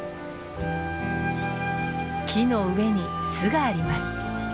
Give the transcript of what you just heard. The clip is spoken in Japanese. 木の上に巣があります。